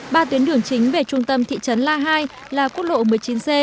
ba tuyến đường chính về trung tâm thị trấn la hai là quốc lộ một mươi chín c